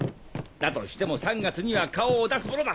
だとしても３月には顔を出すものだ。